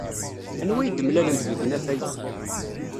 Anwa ay d-mlalent deg unafag?